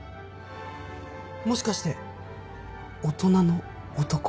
もしかして大人の男？